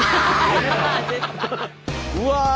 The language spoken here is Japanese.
うわ！